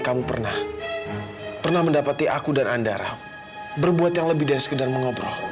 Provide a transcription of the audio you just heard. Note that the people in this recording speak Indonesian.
kalau orang yang sedang